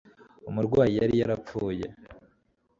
Umurwayi yari yarapfuye